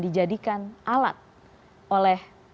dijadikan alat oleh